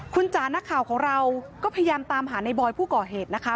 คุณจ๋านักข่าวของเราก็พยายามตามหาในบอยผู้ก่อเหตุนะคะ